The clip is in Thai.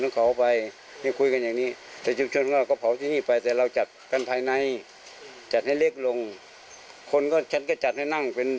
เราไม่รู้ว่าก่อนมาจากไหน